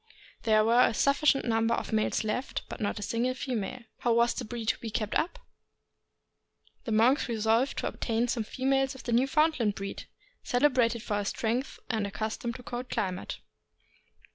There were a sufficient num ber of males left, but not a single female. How was the breed to be kept up? The monks resolved to obtain some females of the Newfoundland breed, cele brated for their strength, and accustomed to a cold climate.